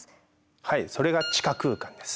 はいそれが地下空間です。